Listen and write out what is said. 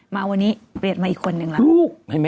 มาวันนี้เปลี่ยนมาอีกคนนึงล่ะ